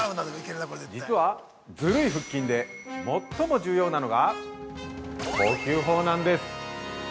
◆実は、ズルい腹筋で最も重要なのが呼吸法なんです。